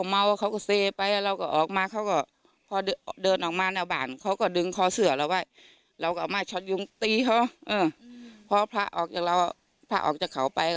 พอพระออกจากเราพระออกจากเขาไป